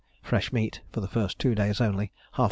Fresh meat (for the first two days only), ½ lb.